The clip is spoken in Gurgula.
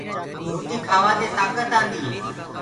روٽيٚ کاوآ دي تآڪت آنٚديٚ هي